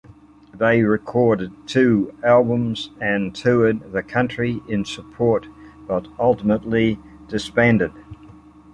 They recorded two albums and toured the country in support but ultimately disbanded.